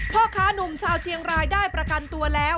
พ่อค้านุ่มชาวเชียงรายได้ประกันตัวแล้ว